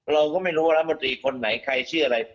เราก็ไม่รู้ว่ารัฐมนตรีคนไหนใครชื่ออะไร